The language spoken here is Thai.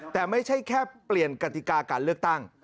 แต่ไม่ใช่แค่เปลี่ยนกติกาการเลือกตั้ง